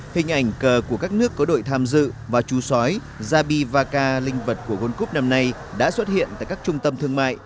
hình ảnh cờ của các nước có đội tham dự và chú sói gia bi và ca linh vật của world cup năm nay đã xuất hiện tại các trung tâm thương mại